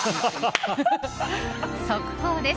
速報です。